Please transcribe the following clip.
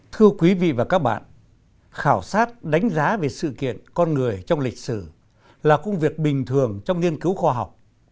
thưa quý vị và các bạn khảo sát đánh giá về sự kiện con người trong lịch sử là công việc bình thường trong nghiên cứu khoa học